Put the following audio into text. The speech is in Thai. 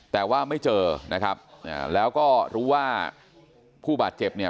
แต่ว่าไม่เจอนะครับแล้วก็รู้ว่าผู้บาดเจ็บเนี่ย